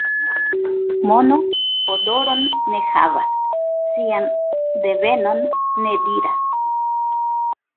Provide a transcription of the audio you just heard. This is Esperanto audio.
Mono odoron ne havas, sian devenon ne diras.